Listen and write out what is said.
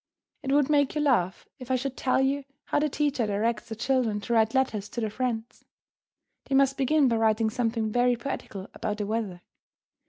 It would make you laugh if I should tell you how the teacher directs the children to write letters to their friends. They must begin by writing something very poetical about the weather.